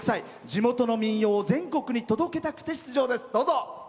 地元の民謡を全国に届けたくて出場です。